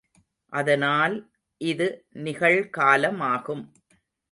அதனால் இது நிகழ்காலமாகும்.